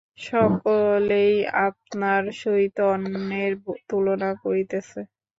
সকলেই আপনার সহিত অন্যের তুলনা করিতেছে।